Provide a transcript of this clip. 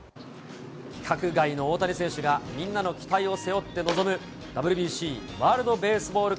規格外の大谷選手がみんなの期待を背負って臨むＷＢＣ・ワールドベースボール